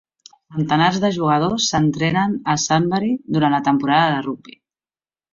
Centenars de jugadors s'entrenen a Sunbury durant la temporada de rugbi.